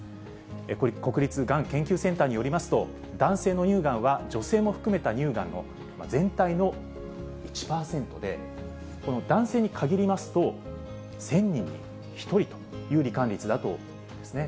これ国立がん研究センターによりますと、男性の乳がんは、女性も含めた乳がんの全体の１％で、この男性に限りますと、１０００人に１人というり患率だというんですね。